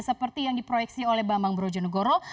seperti yang diproyeksi oleh bambang brojonegoro